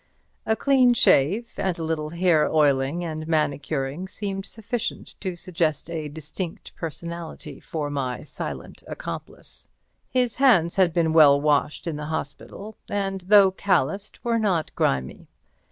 A clean shave and a little hair oiling and manicuring seemed sufficient to suggest a distinct personality for my silent accomplice. His hands had been well washed in hospital, and though calloused, were not grimy.